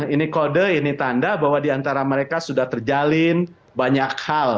ini kode ini tanda bahwa diantara mereka sudah terjalin banyak hal